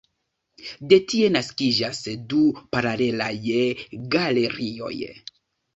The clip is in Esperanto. De tie naskiĝas du paralelaj galerioj.